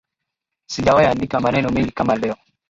Sijawahi andika maneno mengi kama leo